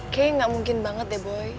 kayaknya ga mungkin banget deh boy